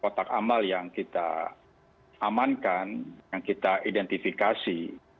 kotak amal yang kita amankan yang kita identifikasi